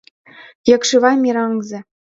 Якшывай — мераҥзе